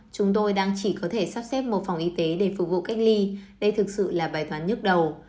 chúng tôi đang chỉ có thể sắp xếp một phòng y tế để phục vụ cách ly đây thực sự là bài toán nhức đầu